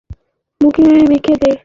ওর মুখে মেখে দে।